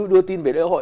đưa tin về lễ hội